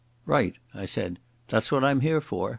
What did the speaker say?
"Right," I said. "That's what I'm here for.